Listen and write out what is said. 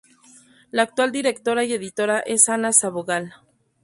La actual directora y editora es Ana Sabogal.